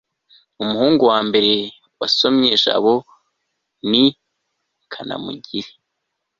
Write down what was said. umuhungu wambere wasomye jabo ni kanamugire(ck